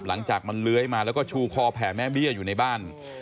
หลังจากมันเลื้อยมาแล้วก็ชูคอแผ่แม่เบี้ยอยู่ในบ้าน